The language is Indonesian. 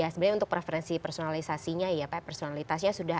sebenarnya untuk preferensi personalisasi personalitasnya sudah